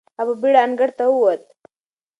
هغه په بېړه انګړ ته وووت.